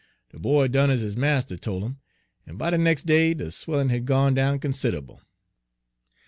De boy done ez his marster tol' 'im, en by de nex' day de swellin' had gone down consid'able.